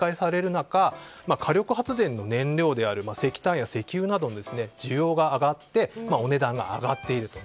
中火力発電の燃料である石炭や石油の需要が上がってお値段が上がっていると。